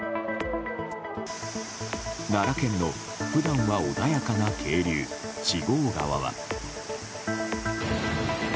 奈良県の普段は穏やかな渓流四郷川は。